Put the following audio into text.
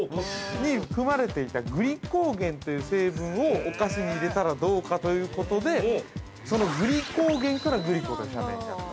に、含まれていたグリコーゲンという成分をお菓子に入れたらどうかということでそのグリコーゲンからグリコという社名になった。